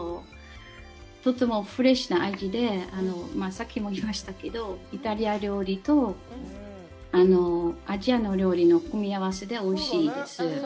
とてもフレッシュな味で、さっきも言いましたけど、イタリア料理とアジアの料理の組み合わせで、おいしいです。